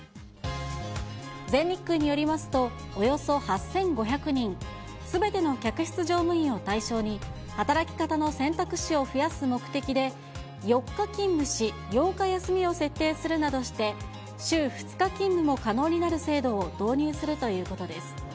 全日空によりますと、およそ８５００人、すべての客室乗務員を対象に、働き方の選択肢を増やす目的で、４日勤務し、８日休みを設定するなどして、週２日勤務も可能になる制度を導入するということです。